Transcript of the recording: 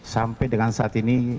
sampai dengan sahat ini